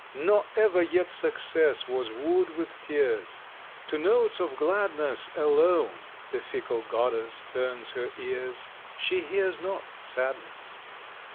Nor ever yet Success was wooed with tears; To notes of gladness Alone the fickle goddess turns her ears, She hears not sadness.